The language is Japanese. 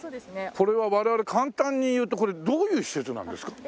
これは簡単に言うとこれどういう施設なんですか？